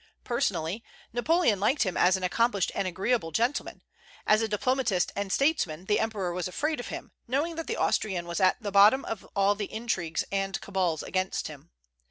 Personally, Napoleon liked him as an accomplished and agreeable gentleman; as a diplomatist and statesman the Emperor was afraid of him, knowing that the Austrian was at the bottom of all the intrigues and cabals against him.